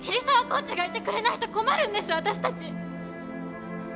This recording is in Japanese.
コーチがいてくれないと困るんです私たち！